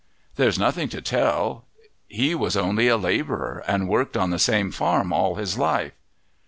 "There's nothing to tell; he was only a labourer and worked on the same farm all his life."